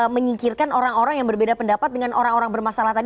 menyingkirkan orang orang yang berbeda pendapat dengan orang orang bermasalah tadi